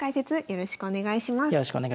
よろしくお願いします。